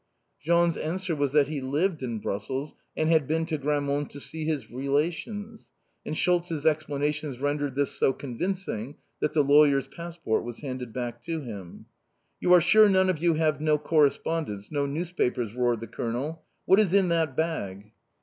Jean's answer was that he lived in Brussels and had been to Grammont to see his relations, and "Schultz's" explanations rendered this so convincing that the lawyer's passport was handed back to him. "You are sure none of you have no correspondence, no newspapers?" roared the Colonel. "What is in that bag?"